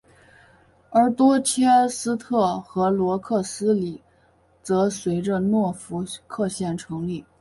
而多切斯特和罗克斯伯里则随着诺福克县成立。